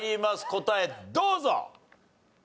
答えどうぞ！